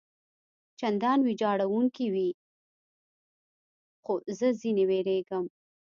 چندان ویجاړوونکي وي، خو زه ځنې وېرېږم.